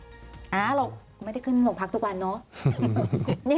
เราไม่ได้ขึ้นโรงพักทุกวันเนอะ